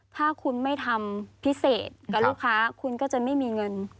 ถ้าคุณไม่ทำพิเศษกับลูกค้าคุณก็จะไม่มีเงิน